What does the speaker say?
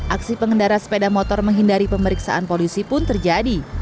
aksi pengendara sepeda motor menghindari pemeriksaan polisi pun terjadi